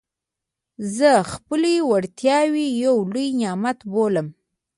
زه خپلي وړتیاوي یو لوی نعمت بولم.